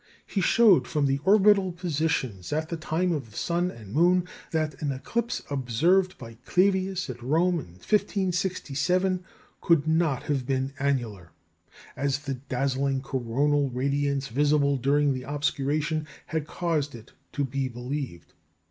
He showed, from the orbital positions at the time of the sun and moon, that an eclipse observed by Clavius at Rome in 1567 could not have been annular, as the dazzling coronal radiance visible during the obscuration had caused it to be believed.